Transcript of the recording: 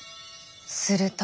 すると。